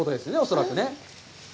恐らくね。